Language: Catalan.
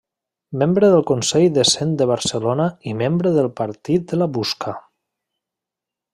Membre del Consell de Cent de Barcelona i membre del partit de la Busca.